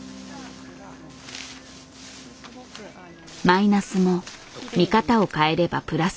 マイナスも見方を変えればプラスになる。